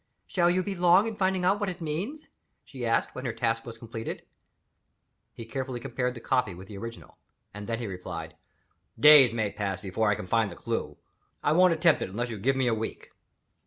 "Shall you be long in finding out what it means?" she asked when her task was completed. He carefully compared the copy with the original and then he replied: "Days may pass before I can find the clew; I won't attempt it unless you give me a week."